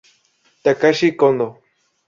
Takashi Kondō